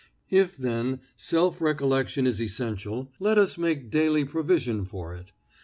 If, then, self recollection is essential, let us make daily provision for it.